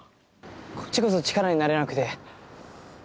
こっちこそ力になれなくて。